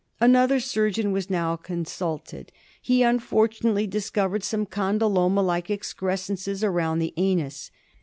Another surgeon was now consulted. He unfortunately discovered some condyloma like excrescences around the anus.